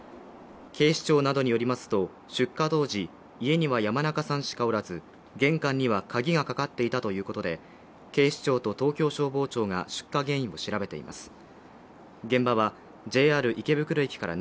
警視庁などによりますと、出火当時家には山中さんしかおらず、玄関には鍵がかかっていたということで警視庁と東京消防庁が出火原因を調べています。